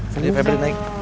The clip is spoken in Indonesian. sini febri naik